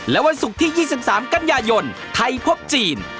และวันศุกร์ที่๒๓กันยายนไทยพบจีน